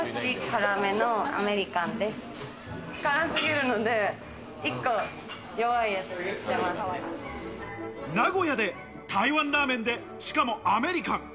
辛すぎるので１個弱い名古屋で台湾ラーメンでしかもアメリカン。